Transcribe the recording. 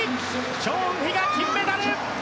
チョウ・ウヒが金メダル！